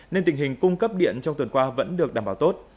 nên tình hình cung cấp điện trong tuần qua vẫn được đảm bảo tốt